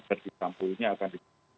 verdi sampo ini akan